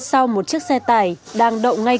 sau một chiếc xe tải đang đậu ngay